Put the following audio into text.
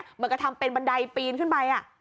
เหมือนกับทำเป็นบันไดปีนขึ้นไป